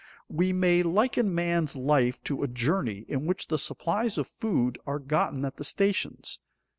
We may liken man's life to a journey in which the supplies of food are gotten at the stations.